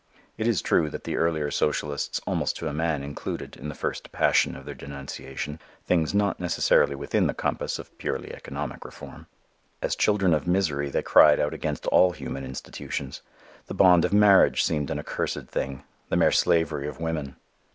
It is true that the earlier socialists almost to a man included, in the first passion of their denunciation, things not necessarily within the compass of purely economic reform. As children of misery they cried out against all human institutions. The bond of marriage seemed an accursed thing, the mere slavery of women.